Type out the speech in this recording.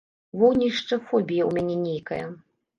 Вогнішча-фобія ў мяне нейкая!